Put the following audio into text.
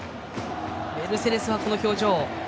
メルセデスはこの表情。